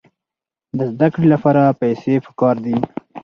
د زده کړې لپاره پیسې پکار دي.